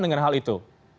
dengan hal itu